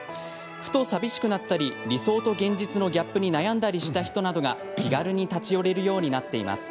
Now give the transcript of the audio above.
ふと寂しくなったり理想と現実のギャップに悩んだりした人などが気軽に立ち寄れるようになっています。